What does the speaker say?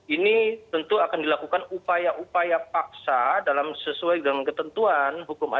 ini tentu akan dilakukan upaya upaya paksa dalam sesuai dengan ketentuan hukum acara